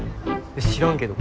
知らんけど。